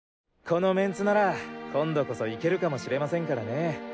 この面子なら今度こそいけるかもしれませんからね。